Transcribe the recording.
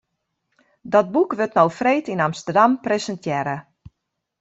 Dat boek wurdt no freed yn Amsterdam presintearre.